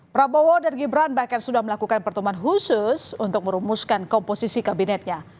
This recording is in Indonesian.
prabowo dan gibran bahkan sudah melakukan pertemuan khusus untuk merumuskan komposisi kabinetnya